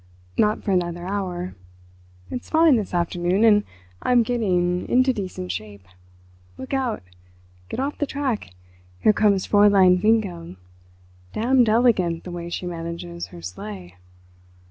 "Not for another hour. It's fine this afternoon, and I'm getting into decent shape. Look out, get off the track; here comes Fräulein Winkel. Damned elegant the way she manages her sleigh!"